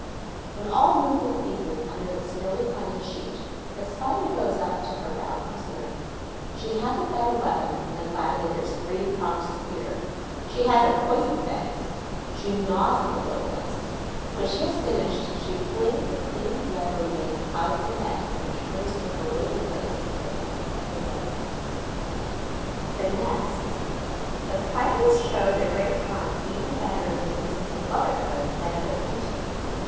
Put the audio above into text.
When all movement ceases under the snowy winding sheet, the Spider goes up to her bound prisoner. She has a better weapon than the gladiator's three pronged spear: she has her poison fangs. She gnaws at the Locust. When she has finished, she flings the clean bled remains out of the net and returns to her waiting place in the centre of the web. THE NEST The Spiders show their great talents even better in the business of motherhood than in their hunting.